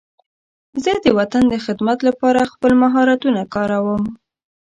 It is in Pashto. زه د وطن د خدمت لپاره خپل مهارتونه کاروم.